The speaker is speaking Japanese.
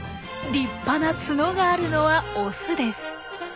立派なツノがあるのはオスです。